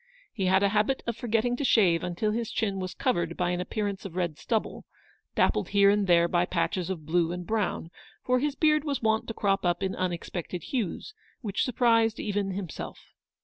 He had a habit of forgetting to shave nntil his chin was covered by an appearance of red stubble, dappled here and there by patches of blue and brown, for his beard was wont to crop up in unexpected hues, which surprised 118 Eleanor's victory. even himself.